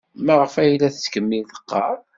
Maɣef ay la tettkemmil teɣɣar?